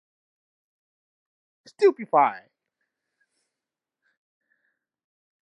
The work of the school was influential upon Platonic metaphysics.